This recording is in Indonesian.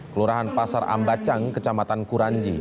kelurahan pasar ambacang kecamatan kuranji